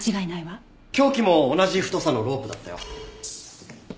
凶器も同じ太さのロープだったよ。